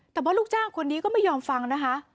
แต่ว่าลูกจ้างคนนี้ก็ไม่ยอมฟังนะคะ